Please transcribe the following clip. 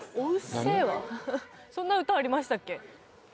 そんな歌ありましたっけ。